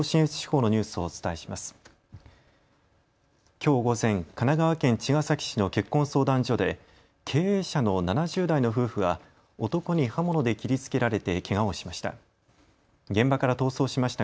きょう午前、神奈川県茅ヶ崎市の結婚相談所で経営者の７０代の夫婦が男に刃物で切りつけられてけがをしました。